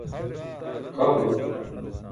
xa huruṭ